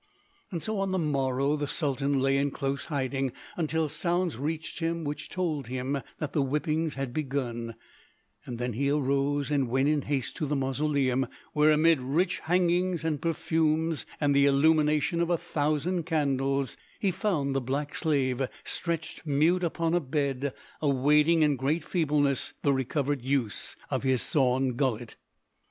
So on the morrow the Sultan lay in close hiding until sounds reached him which told that the whippings had begun; then he arose and went in haste to the mausoleum, where amid rich hangings and perfumes and the illumination of a thousand candles, he found the black slave stretched mute upon a bed awaiting in great feebleness the recovered use of his sawn gullet.